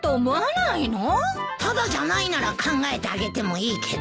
タダじゃないなら考えてあげてもいいけど。